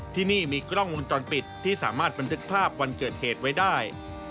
ที่นี่มีกล้องวงจรปิดที่สามารถบันทึกภาพวันเกิดเหตุไว้ได้